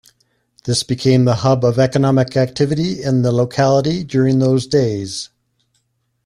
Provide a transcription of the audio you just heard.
This became the hub of economic activity in the locality during those days.